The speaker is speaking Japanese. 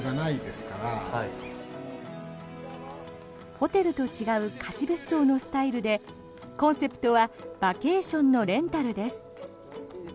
ホテルと違う貸し別荘のスタイルでコンセプトはバケーションのレンタルです。